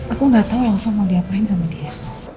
aku gak tahu elsa mau diapain sama dia